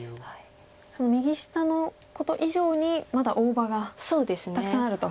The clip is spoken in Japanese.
その右下のこと以上にまだ大場がたくさんあると。